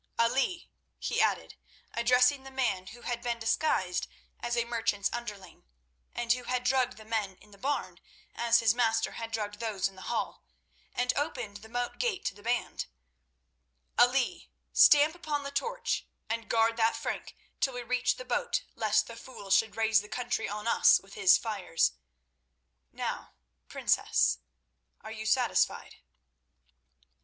Ali," he added, addressing the man who had been disguised as a merchant's underling, and who had drugged the men in the barn as his master had drugged those in the hall, and opened the moat gate to the band, "Ali, stamp upon the torch and guard that Frank till we reach the boat lest the fool should raise the country on us with his fires. Now, Princess, are you satisfied?"